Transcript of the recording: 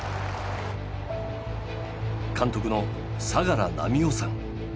監督の相良南海夫さん。